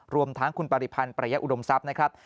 รวมทั้งคุณปริพันธ์ประยะอุดมทรัพย์นะครับ